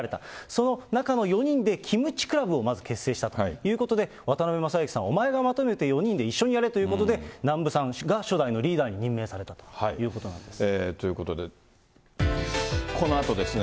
その中の４人でキムチ倶楽部をまず結成したということで、渡辺正行さん、お前がまとめて４人で一緒にやれということで、南部さんが初代のリーダーに任命されたということなんです。